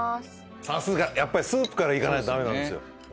さすがやっぱりスープからいかないとダメなんですよ